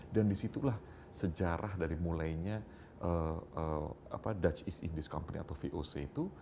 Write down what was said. dan disitulah sejarah dari mulainya dutch east indies company atau voc itu